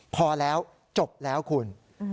พอแล้วจบแล้วคุณ